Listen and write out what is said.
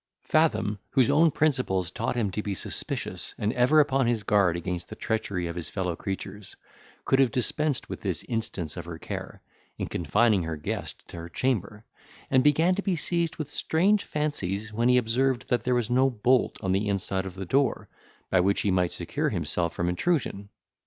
Fathom, whose own principles taught him to be suspicious, and ever upon his guard against the treachery of his fellow creatures, could have dispensed with this instance of her care, in confining her guest to her chamber, and began to be seized with strange fancies, when he observed that there was no bolt on the inside of the door, by which he might secure himself from intrusion.